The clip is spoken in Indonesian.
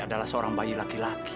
adalah seorang bayi laki laki